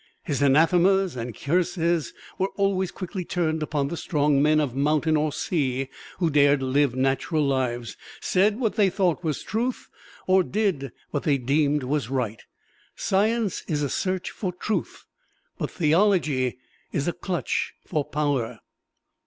His anathemas and curses were always quickly turned upon the strong men of mountain or sea who dared live natural lives, said what they thought was truth, or did what they deemed was right. Science is a search for truth, but theology is a clutch for power.